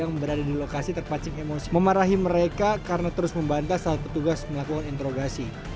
yang berada di lokasi terpacing emosi memarahi mereka karena terus membantah saat petugas melakukan interogasi